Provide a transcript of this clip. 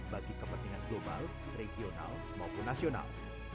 bagi kepentingan global regional maupun nasional